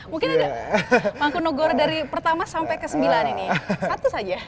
mungkin ada mangkunegoro dari pertama sampai ke sembilan ini satu saja